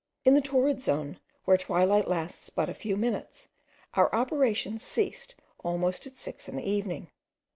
In the torrid zone, where twilight lasts but a few minutes, our operations ceased almost at six in the evening.